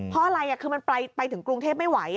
เพราะอะไรคือมันไปถึงกรุงเทพไม่ไหว